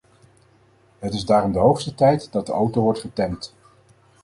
Het is daarom de hoogste tijd dat de auto wordt getemd.